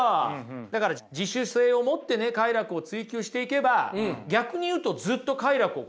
だから自主性を持ってね快楽を追求していけば逆に言うとずっと快楽をこれ持ち続けることができるわけでしょ。